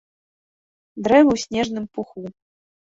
Дрэвы ў снежным пуху.